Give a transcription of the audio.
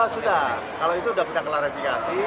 sudah kalau itu sudah kita klarifikasi